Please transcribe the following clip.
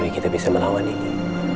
kita bisa melawan ini